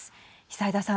久枝さん。